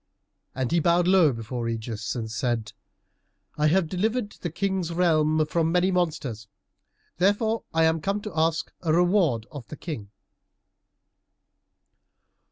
And he bowed low before Ægeus and said, "I have delivered the King's realm from many monsters, therefore I am come to ask a reward of the King."